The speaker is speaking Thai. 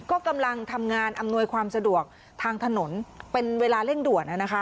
ก็กำลังทำงานอำนวยความสะดวกทางถนนเป็นเวลาเร่งด่วน